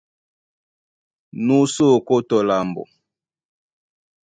Nú sí ókó tɔ lambo.